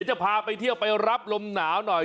จะพาไปเที่ยวไปรับลมหนาวหน่อย